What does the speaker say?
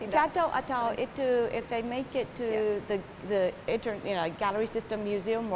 jatuh atau itu jika mereka membuatnya di galeri atau museum